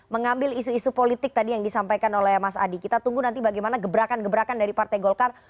mengambil isu isu politik tadi yang disampaikan oleh mas adi kita tunggu nanti bagaimana gebrakan gebrakan dari partai golkar